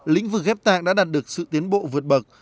lĩnh vực ghép tạng đã đạt được sự tiến bộ vượt bậc